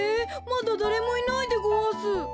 まだだれもいないでごわす。